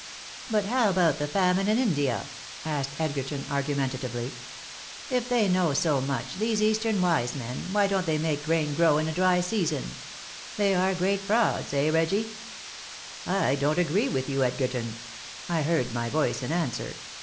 "But how about the famine in India?" asked Edgerton, argumentatively. "If they know so much, these Eastern wise men, why don't they make grain grow in a dry season? They are great frauds, eh, Reggie?" "I don't agree with you, Edgerton," I heard my voice in answer.